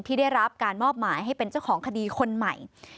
ที่ได้รับการมอบหมายให้เป็นเจ้าของคดีคนใหม่